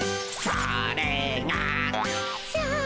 「それが」